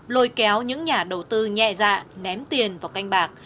lôi kéo những nhà đầu tư nhẹ dạ ném tiền vào canh bạc